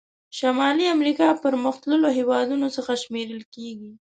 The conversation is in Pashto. شمالي امریکا پرمختللو هېوادونو څخه شمیرل کیږي.